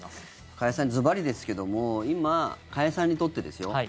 加谷さんずばりですけども今、加谷さんにとってですよ